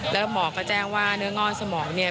แล้วหมอก็แจ้งว่าเนื้อง่อนสมองเนี่ย